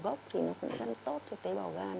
gốc thì nó cũng rất là tốt cho tế bào gan